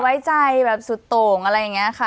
ไว้ใจแบบสุดโต่งอะไรอย่างนี้ค่ะ